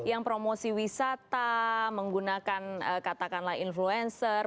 yang promosi wisata menggunakan katakanlah influencer